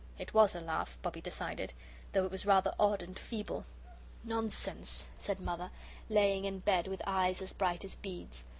It WAS a laugh, Bobbie decided, though it was rather odd and feeble. "Nonsense," said Mother, laying in bed with eyes as bright as beads.